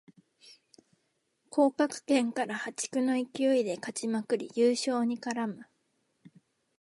降格圏から破竹の勢いで勝ちまくり優勝に絡む